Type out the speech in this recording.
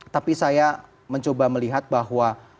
tapi saya mencoba melihat bahwa